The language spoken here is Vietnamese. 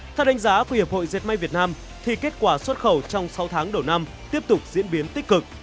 theo đánh giá của hiệp hội diệt may việt nam thì kết quả xuất khẩu trong sáu tháng đầu năm tiếp tục diễn biến tích cực